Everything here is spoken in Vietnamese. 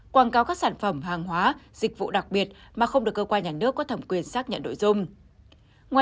quảng cáo các sản phẩm hàng hóa dịch vụ đặc biệt mà không được cơ quan nhà nước có thẩm quyền xác nhận nội dung